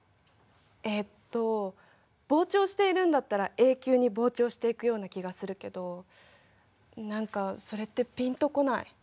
えっと膨張しているんだったら永久に膨張していくような気がするけど何かそれってピンとこない。